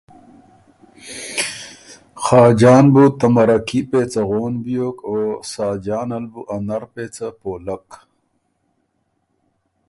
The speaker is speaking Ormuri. خاجان بُو ته مَرَکي پېڅه غون بیوک او ساجان ال بُو ا نر پېڅه پولک۔